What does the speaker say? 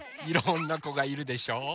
いろんなこがいるでしょ？